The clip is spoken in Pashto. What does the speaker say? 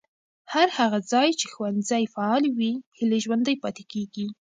هر هغه ځای چې ښوونځي فعال وي، هیلې ژوندۍ پاتې کېږي.